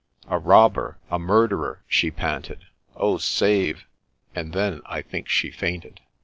" A robber — ^a murderer !" she panted. " Oh, save " and then, I think, she fainted.